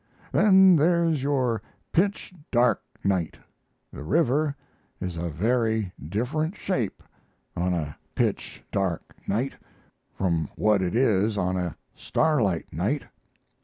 Then there's your pitch dark night; the river is a very different shape on a pitch dark night from what it is on a starlight night.